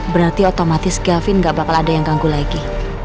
berarti otomatis gavin gak bakal ada yang ganggu lagi